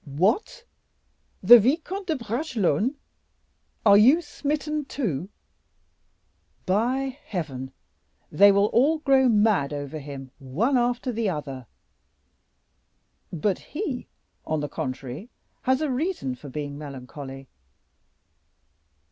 "What! the Vicomte de Bragelonne? are you smitten too? By Heaven, they will all grow mad over him one after the other; but he, on the contrary, has a reason for being melancholy."